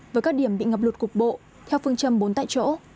với các điểm bị ngập lụt cục bộ theo phương châm bốn tại chỗ